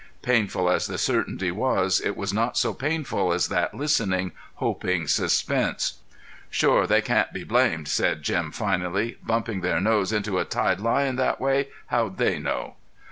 Painful as the certainty was it was not so painful as that listening, hoping suspense. "Shore they can't be blamed," said Jim finally. "Bumping their nose into a tied lion that way how'd they know?"